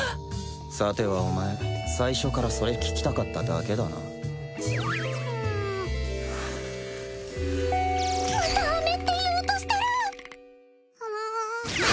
さてはお前最初からそれ聞きたかっただけだなまたアメって言おうとしてる！